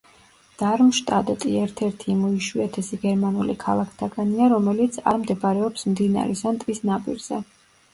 დარმშტადტი ერთ-ერთი იმ უიშვიათესი გერმანული ქალაქთაგანია, რომელიც არ მდებარეობს მდინარის ან ტბის ნაპირზე.